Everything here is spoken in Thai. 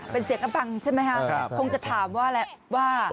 เป็นเสียงปำงใช่ไหมฮะคงจะถามว่าอะไร